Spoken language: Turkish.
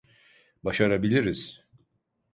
Başarabiliriz!